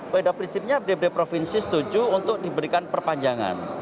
jadi prinsipnya dpd provinsi setuju untuk diberikan perpanjangan